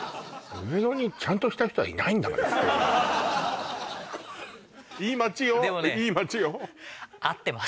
上野にちゃんとした人はいないんだからでもね合ってます